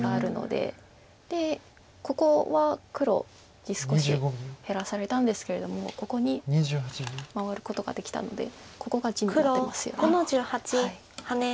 でここは黒地少し減らされたんですけれどもここに回ることができたのでここが地になってますよね。